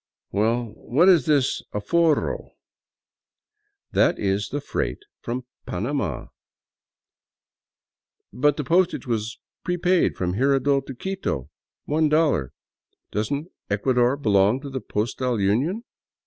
"Well, what is this aforro?" " That is the freight from Panama." " But the postage was prepaid from Jirardot to Quito — one dol lar. Doesn't Ecuador belong to the Postal Union?"